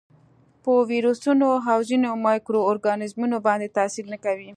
په ویروسونو او ځینو مایکرو ارګانیزمونو باندې تاثیر نه کوي.